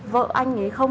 vợ anh ấy